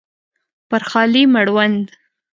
پر خالي مړوند